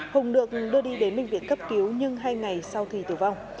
hùng được đưa đi đến bệnh viện cấp cứu nhưng hai ngày sau thì tử vong